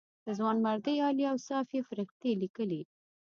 د ځوانمردۍ عالي اوصاف یې فرښتې لیکلې.